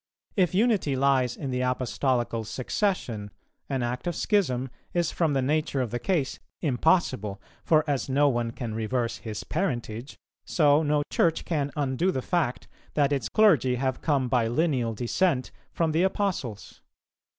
If unity lies in the Apostolical succession, an act of schism is from the nature of the case impossible; for as no one can reverse his parentage, so no Church can undo the fact that its clergy have come by lineal descent from the Apostles.